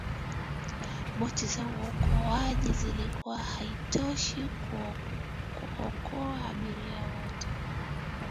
boti za uokoaji zilikuwa haitoshi kuokoa abiria wote